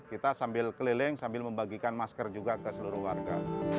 kita sambil keliling sambil membagikan masker juga ke seluruh warga